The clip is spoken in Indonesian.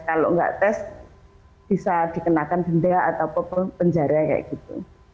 kalau nggak tes bisa dikenakan dendek atau pepenjara kayak gitu